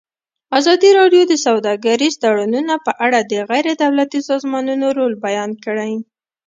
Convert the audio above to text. ازادي راډیو د سوداګریز تړونونه په اړه د غیر دولتي سازمانونو رول بیان کړی.